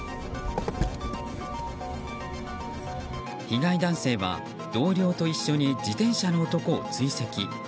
被害男性は同僚と一緒に自転車の男を追跡。